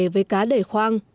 với cá đầy khoang